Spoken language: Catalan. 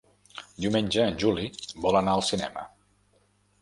Diumenge en Juli vol anar al cinema.